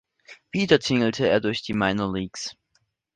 Wieder tingelte er durch die Minor-Leagues.